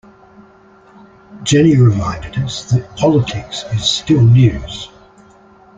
Jenny reminded us that politics is still news.